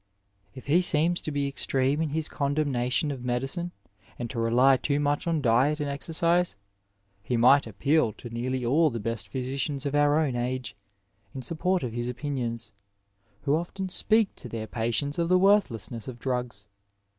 If he seems to be extreme in his con demnation of medicine and to rely too much on diet and exercise, he might appeal to nearly all the best physicians of our own age in support of his opinions, who often speak to their patients of the worthlessness of drugs.